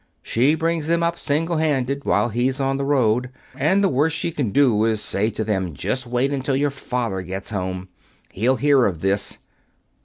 She brings them up, single handed, while he's on the road. And the worst she can do is to say to them, 'Just wait until your father gets home. He'll hear of this.'